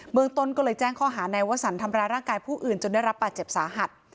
เมืองต้นก็เลยแจ้งข้อหานายวสันทำร้ายร่างกายผู้อื่นจนได้รับบาดเจ็บสาหัส